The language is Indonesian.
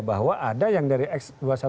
bahwa ada yang dari x dua ratus dua belas